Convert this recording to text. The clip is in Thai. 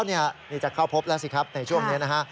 นี่จะเข้าพบแล้วสิครับในช่วงนี้นะฮะ